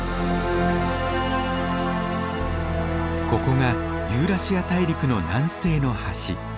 ここがユーラシア大陸の南西の端。